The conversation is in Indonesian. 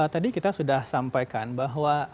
tadi kita sudah sampaikan bahwa